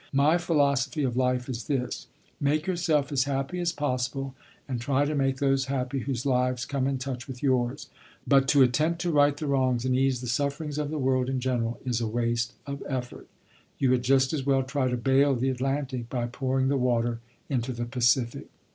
My philosophy of life is this: make yourself as happy as possible, and try to make those happy whose lives come in touch with yours; but to attempt to right the wrongs and ease the sufferings of the world in general is a waste of effort. You had just as well try to bail the Atlantic by pouring the water into the Pacific."